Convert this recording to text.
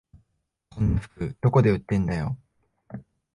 こんな服どこで売ってんだよ